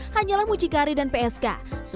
hanyalah mucikari dan pemirsa